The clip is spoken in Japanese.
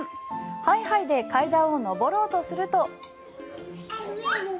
ハイハイで階段を上ろうとすると。